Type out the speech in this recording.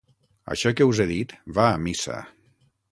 Això que us he dit va a missa.